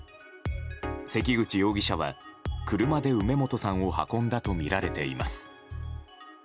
関口容疑者は車で梅本さんを運んだとみられています。